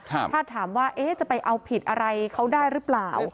ถ้าถามว่าเอ๊ะจะไปเอาผิดอะไรเขาได้หรือเปล่า